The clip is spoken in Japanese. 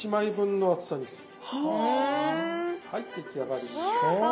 はい出来上がり！